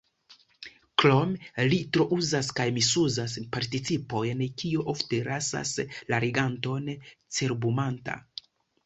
Krome, li trouzas kaj misuzas participojn, kio ofte lasas la leganton cerbumanta.